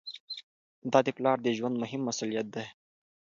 دا د پلار د ژوند مهم مسؤلیت دی.